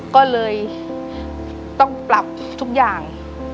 ก็เลยต้องปรับทุกอย่าง